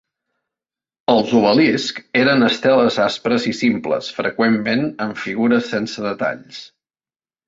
Els obeliscs eren esteles aspres i simples, freqüentment amb figures sense detalls.